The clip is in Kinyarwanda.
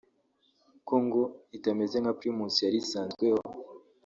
ko ngo itameze nka Primus yari isanzweho